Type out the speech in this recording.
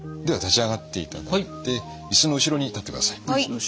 では立ち上がっていただいて椅子の後ろに立ってください。